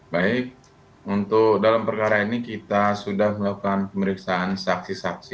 baik untuk dalam perkara ini kita sudah melakukan pemeriksaan saksi saksi